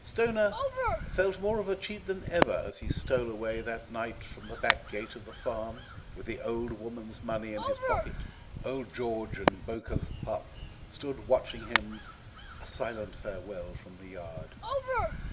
Stoner felt more of a cheat than ever as he stole away that night from the back gate of the farm with the old woman's money in his pocket. Old George and Bowker's pup stood watching him a silent farewell from the yard.